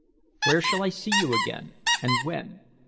Where shall I see you again, and when?